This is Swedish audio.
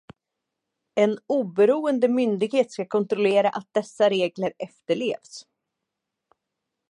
En oberoende myndighet ska kontrollera att dessa regler efterlevs.